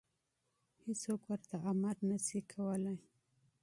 هېڅوک ورته امر نشي کولی.